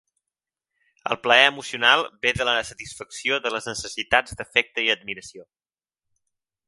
El plaer emocional ve de la satisfacció de les necessitats d'afecte i admiració.